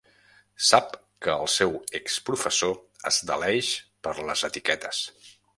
Sap que el seu exprofessor es deleix per les etiquetes.